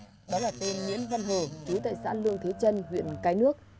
đó là tên nguyễn văn hờ chú tại xã lương thế trân huyện cái nước